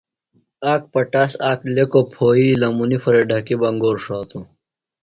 آک پٹاس آک لیکوۡ پھوئی لمُنیۡ پھرےۡ ڈھکیۡ بہ انگور ݜاتوۡ۔